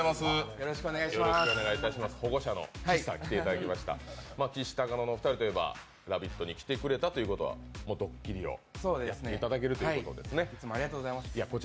お願いします、保護者の岸さんに来ていただきました、きしたかののお二人ということは「ラヴィット！」に来てくれたということはドッキリをやっていただけるということですね。